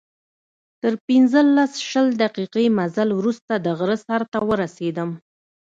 تر پنځلس، شل دقیقې مزل وروسته د غره سر ته ورسېدم.